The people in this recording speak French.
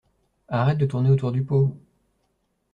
Arrête de tourner autour du pot!